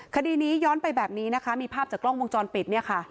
คดีนี้ย้อนไปแบบนี้นะคะมีภาพจากกล้องวงจรปิดเนี่ยค่ะ